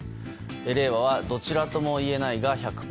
れいわはどちらとも言えないが１００％。